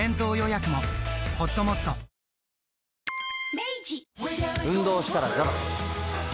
明治運動したらザバス。